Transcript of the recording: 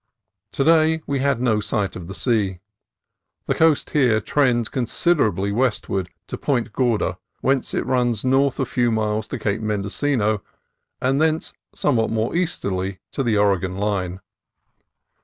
To day we had no sight of the sea. The coast here trends considerably westward to Point Gorda, whence it runs north a few miles to Cape Mendocino and thence somewhat more easterly to the Oregon line.